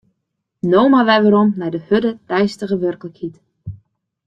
No mar wer werom nei de hurde deistige werklikheid.